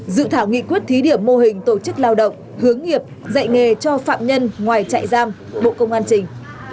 dự thảo nghị quyết thí điểm mô hình tổ chức lao động hướng nghiệp dạy nghề cho phạm nhân ngoài trại giam bộ công an trình